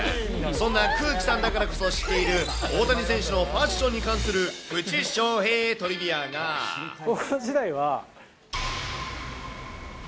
そんな空気さんだからこそ知っている、大谷選手のファッションに関する、高校時代は。